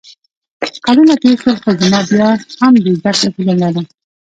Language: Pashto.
کلونه تېر شول خو زه بیا هم د زده کړې هیله لرم